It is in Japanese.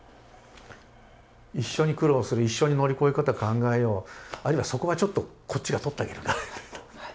一緒に苦労する一緒に乗り越え方考えようあるいはそこはちょっとこっちが取ってあげるからみたいな。